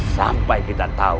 sampai kita tahu